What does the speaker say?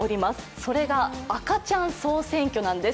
それが赤ちゃん総選挙なんです。